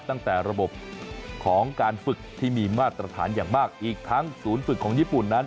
ตั้งแต่ระบบของการฝึกที่มีมาตรฐานอย่างมากอีกทั้งศูนย์ฝึกของญี่ปุ่นนั้น